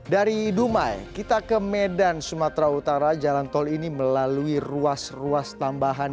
dari dumai kita ke medan sumatera utara jalan tol ini melalui ruas ruas tambahan